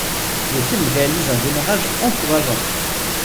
Le film réalise un démarrage encourageant.